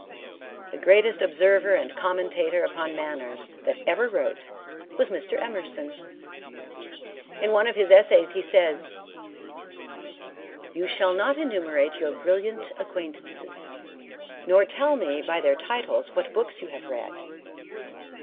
The greatest observer and commentator upon manners that ever wrote was Mr. Emerson. In one of his essays he says: "You shall not enumerate your brilliant acquaintances, nor tell me by their titles what books you have read.